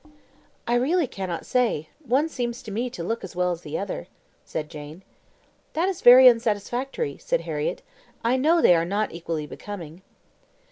"I really cannot say; one seems to me to look as well as the other," said Jane. "That is very unsatisfactory," said Harriett. "I know they are not equally becoming."